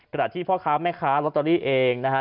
ที่พ่อค้าแม่ค้าลอตเตอรี่เองนะฮะ